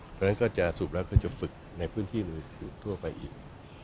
เพราะฉะนั้นก็จะสูบรักจะฝึกในพื้นที่โดยทั่วไปอีก